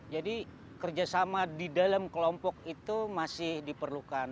jadi kerjasama di dalam kelompok itu masih diperlukan